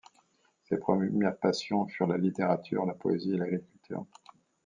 Ses premières passions furent la littérature, la poésie et l'agriculture.